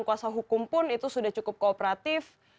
kuasa hukum pun itu sudah cukup kooperatif